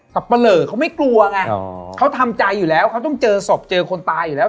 ปะเหลอเขาไม่กลัวไงเขาทำใจอยู่แล้วเขาต้องเจอศพเจอคนตายอยู่แล้ว